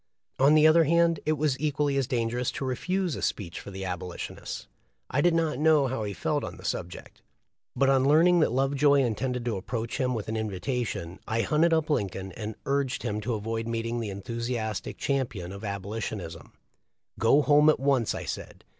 On the other hand, it was equally as dangerous to refuse a speech for the Abolitionists. I did not know how he felt on the subject, but on learning 372 THE LIFE 0F LINCOLN. that Love joy intended to approach him with an invitation, I hunted up Lincoln and urged him to avoid meeting the enthusiastic champion of Aboli tionism. "Go home at once," I said.